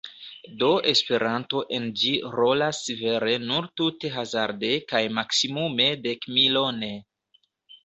Do Esperanto en ĝi rolas vere nur tute hazarde kaj maksimume dekmilone.